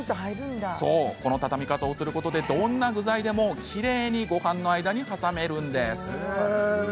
この畳み方をすることでどんな具材でも、きれいにごはんの間に挟めるんです。